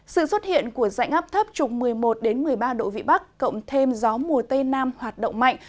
sự xuất hiện của dạnh áp thấp trục một mươi một một mươi ba độ vị bắc cộng thêm gió mùa tây nam hoạt động mạnh